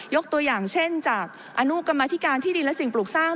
ตัวอย่างเช่นจากอนุกรรมธิการที่ดินและสิ่งปลูกสร้าง